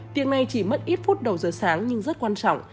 việc này chỉ mất ít phút đầu giờ sáng nhưng rất quan trọng